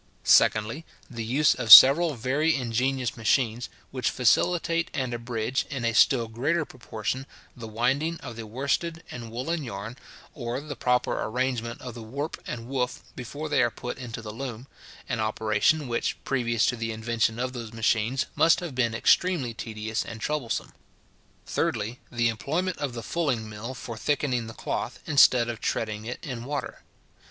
Secondly, the use of several very ingenious machines, which facilitate and abridge, in a still greater proportion, the winding of the worsted and woollen yarn, or the proper arrangement of the warp and woof before they are put into the loom; an operation which, previous to the invention of those machines, must have been extremely tedious and troublesome. Thirdly, the employment of the fulling mill for thickening the cloth, instead of treading it in water.